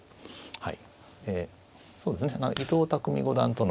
はい。